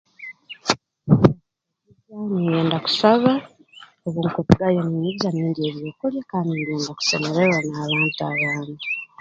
Sande ngenda kusaba obu nkurugayo ninyija nindya ebyokulya kandi ningenda kusemererwa n'abantu abandi